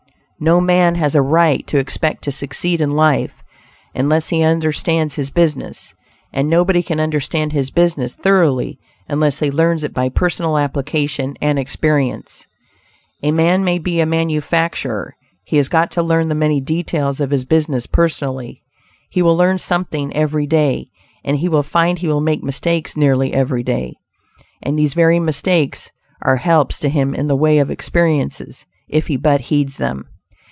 No man has a right to expect to succeed in life unless he understands his business, and nobody can understand his business thoroughly unless he learns it by personal application and experience. A man may be a manufacturer: he has got to learn the many details of his business personally; he will learn something every day, and he will find he will make mistakes nearly every day. And these very mistakes are helps to him in the way of experiences if he but heeds them.